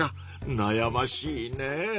なやましいね。